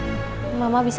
jangan bisa terus ah